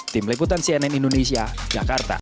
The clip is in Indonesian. tim liputan cnn indonesia jakarta